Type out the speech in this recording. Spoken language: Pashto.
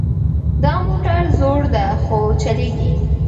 دا موټر زوړ ده خو چلیږي